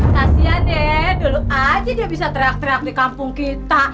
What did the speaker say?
kasian ya dulu aja dia bisa teriak teriak di kampung kita